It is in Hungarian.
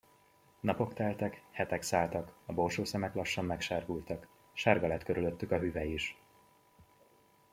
Napok teltek, hetek szálltak, a borsószemek lassan megsárgultak, sárga lett körülöttük a hüvely is.